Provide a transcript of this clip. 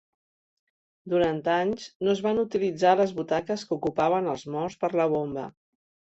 Durant anys no es van utilitzar les butaques que ocupaven els morts per la bomba.